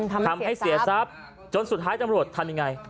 ทำให้เสียทรัพย์จนสุดท้ายตำรวจทำยังไง